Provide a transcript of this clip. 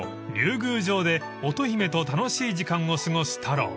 宮城で乙姫と楽しい時間を過ごす太郎］